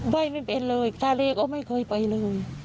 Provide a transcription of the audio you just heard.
ใบ้ไม่เป็นเลยตาเลก็ไม่เคยไปเลย